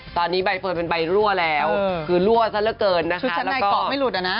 ตอนนี้ใบเฟิร์นเป็นใบรั่วแล้วคือรั่วซะเหลือเกินนะคะชุดชั้นในเกาะไม่หลุดอ่ะนะ